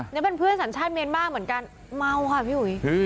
นี่เป็นเพื่อนสัญชาติเมียนมาร์เหมือนกันเมาค่ะพี่อุ๋ย